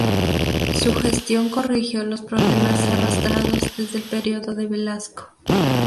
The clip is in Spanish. Su gestión corrigió los problemas arrastrados desde el periodo de Velasco.